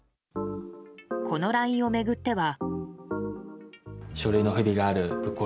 このＬＩＮＥを巡っては。